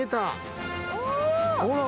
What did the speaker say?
ほら！